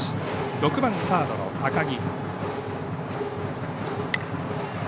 ６番サードの高木。